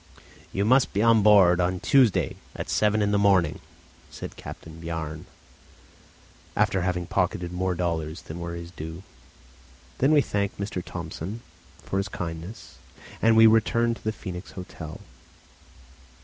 . "You must be on board on Tuesday, at seven in the morning," said Captain Bjarne, after having pocketed more dollars than were his due. Then we thanked M. Thomsen for his kindness, "and we returned to the Phoenix Hotel.